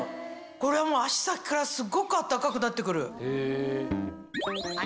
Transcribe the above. これはもう足先からすごく暖かくなって来る。